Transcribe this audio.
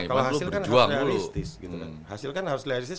kalau hasil kan harus realistis